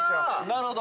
◆なるほど。